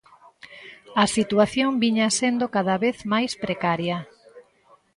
A situación viña sendo cada vez máis precaria.